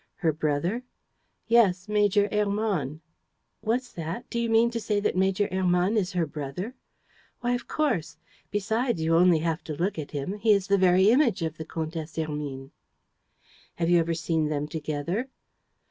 "Her brother?" "Yes, Major Hermann." "What's that? Do you mean to say that Major Hermann is her brother?" "Why, of course! Besides, you have only to look at him. He is the very image of the Comtesse Hermine!" "Have you ever seen them together?"